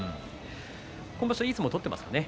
今場所はいい相撲取ってますかね？